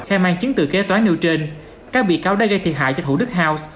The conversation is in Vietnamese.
khai mang chứng từ kế toán nêu trên các bị cáo đã gây thiệt hại cho thủ đức house